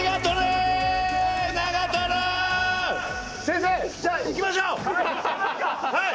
先生じゃあ行きましょう。